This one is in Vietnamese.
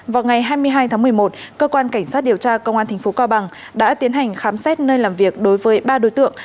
vào ngày hai mươi hai tháng một mươi một cơ quan cảnh sát điều tra công an tp cao bằng đã tiến hành khám xét nơi làm việc đối với ba đối tượng